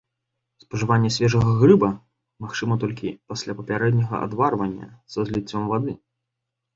Спажыванне свежага грыба магчыма толькі пасля папярэдняга адварвання са зліццём вады.